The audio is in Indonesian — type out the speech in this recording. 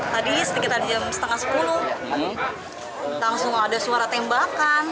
tadi sekitar jam setengah sepuluh langsung ada suara tembakan